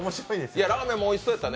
ラーメンもおいしそうやったね。